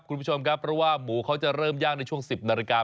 คุณผู้ชมครับเพราะว่าหมูเขาจะเริ่มย่างในช่วง๑๐นาฬิกา